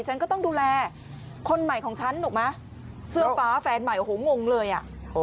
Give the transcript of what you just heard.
ฉันก็ต้องดูแลคนใหม่ของฉันถูกไหมเสื้อฟ้าแฟนใหม่โอ้โหงงเลยอ่ะ